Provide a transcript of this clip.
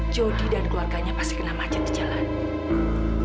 jody dan keluarganya pasti kena macet di jalan